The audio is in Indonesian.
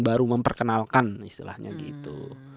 baru memperkenalkan istilahnya gitu